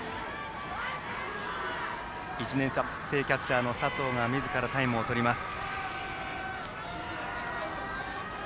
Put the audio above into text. １年生キャッチャーの佐藤がみずからタイムを取ります。